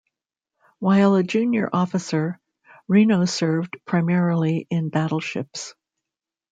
While a junior officer, Reno served primarily in battleships.